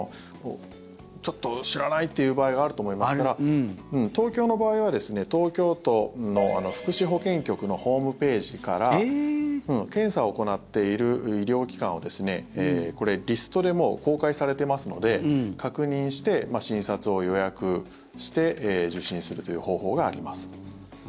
ちょっと知らないという場合があると思いますから東京の場合は東京都の福祉保健局のホームページから検査を行っている医療機関をこれ、リストでもう公開されてますので確認して、診察を予約して受診するという方法があります。